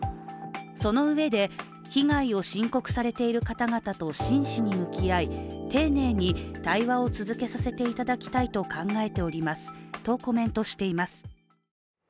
そのうえで、被害を申告されている方々としんしに向き合い丁寧に対話を続けさせていただきたいと考えておりますとコメントしています。